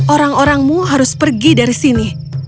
orang orangmu harus pergi dari sini